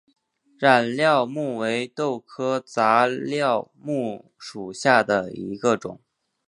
染料木为豆科染料木属下的一个种。